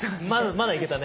まだいけたね。